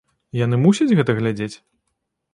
Яны мусяць гэта глядзець?